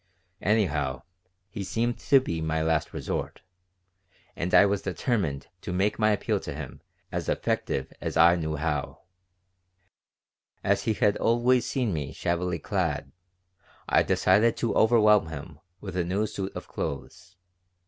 Anyhow, he seemed to be my last resort, and I was determined to make my appeal to him as effective as I knew how As he had always seen me shabbily clad, I decided to overwhelm him with a new suit of clothes.